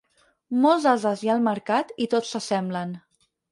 Molts ases hi ha al mercat, i tots s'assemblen.